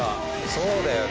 そうだよね。